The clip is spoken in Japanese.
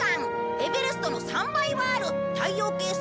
エベレストの３倍はある太陽系最大の山だよ。